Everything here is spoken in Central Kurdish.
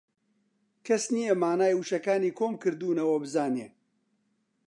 کەس نییە مانای وشەکانی کۆم کردوونەوە بزانێ